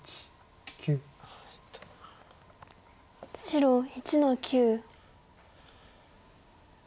白１の九。